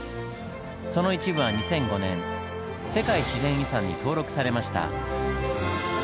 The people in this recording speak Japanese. その一部は２００５年世界自然遺産に登録されました。